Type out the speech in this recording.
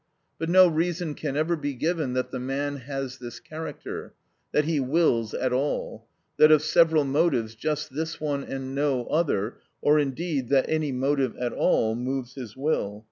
But no reason can ever be given that the man has this character; that he wills at all; that, of several motives, just this one and no other, or indeed that any motive at all, moves his will.